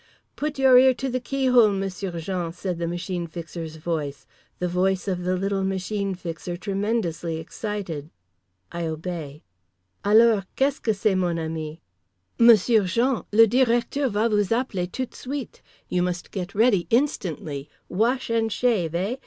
"Put your ear to the key hole, M'sieu' Jean," said the Machine Fixer's voice. The voice of the little Machine Fixer, tremendously excited. I obey—"Alors. Qu'est ce que c'est, mon ami?" "M'sieu' Jean! Le Directeur va vous appeler tout de suite! You must get ready instantly! Wash and shave, eh?